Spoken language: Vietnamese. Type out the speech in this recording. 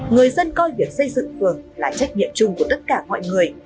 người dân coi việc xây dựng phường là trách nhiệm chung của tất cả mọi người